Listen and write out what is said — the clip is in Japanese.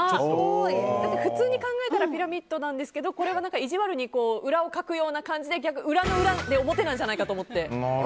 普通に考えたらピラミッドなんですけどこれは意地悪に裏をかくような感じで裏の裏で表なんじゃないかと思って。